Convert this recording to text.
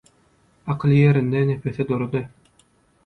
Akyly ýerinde, nepesi durudy.